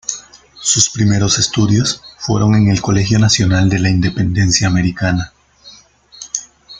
Sus primeros estudios fueron en el Colegio Nacional de la Independencia Americana.